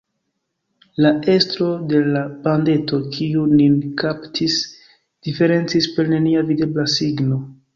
La estro de la bandeto, kiu nin kaptis, diferencis per nenia videbla signo.